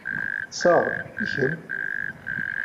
Ṭṣeɣ, i kemm?